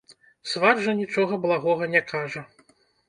Сват жа нічога благога не кажа.